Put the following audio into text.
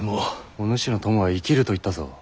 お主の友は生きると言ったぞ。